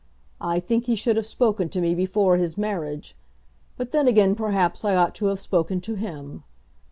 I think he should have spoken to me before his marriage; but then again perhaps I ought to have spoken to him.